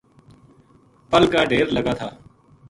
پل کا ڈھیر لگا تھا